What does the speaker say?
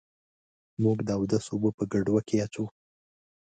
موږ د اودس اوبه په ګډوه کي اچوو.